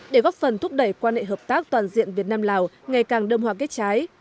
để góp phần thúc đẩy quan hệ hợp tác toàn diện việt nam lào ngày càng đông hòa kết trái